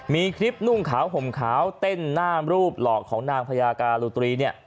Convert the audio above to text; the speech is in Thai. มีคลิปนุ่งขาวห่มขาวเต้นหน้ามรูปหลอกของนางพญาการุตรีเนี่ย